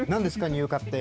乳化って。